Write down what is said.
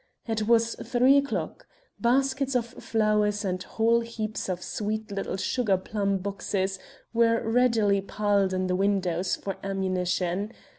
It was three o'clock. Baskets of flowers and whole heaps of sweet little sugar plum boxes were ready piled in the windows for ammunition.